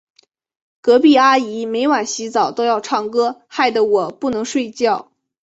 隔壁阿姨每晚洗澡都要唱歌，害得我不能睡觉。